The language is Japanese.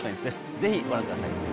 ぜひご覧ください。